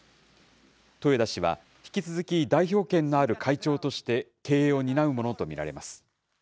豊田氏は引き続き、代表権のある会長として、経営を担うものと見られます。